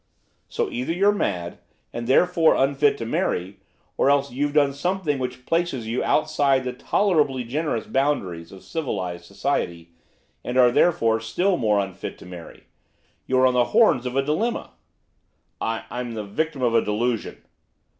'So either you're mad, and therefore unfit to marry; or else you've done something which places you outside the tolerably generous boundaries of civilised society, and are therefore still more unfit to marry. You're on the horns of a dilemma.' 'I I'm the victim of a delusion.